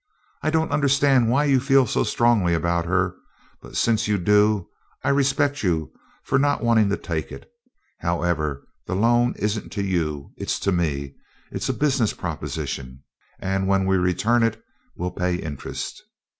I don't understand why you feel so strongly about her, but since you do, I respect you for not wanting to take it. However, the loan isn't to you, it's to me; it's a business proposition, and when we return it we'll pay interest."